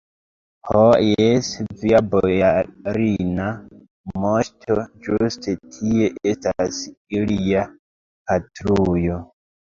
Ho, jes, via bojarina moŝto, ĝuste tie estas ilia patrujo.